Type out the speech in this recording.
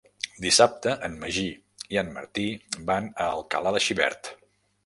Dissabte en Magí i en Martí van a Alcalà de Xivert.